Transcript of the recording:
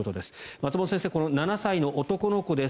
松本先生７歳の男の子です。